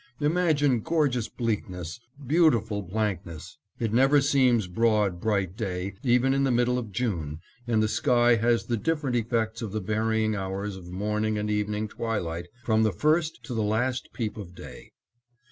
Imagine gorgeous bleakness, beautiful blankness. It never seems broad, bright day, even in the middle of June, and the sky has the different effects of the varying hours of morning and evening twilight from the first to the last peep of day.